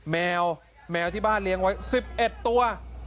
แมวแมวที่บ้านเลี้ยงไว้๑๑ตัว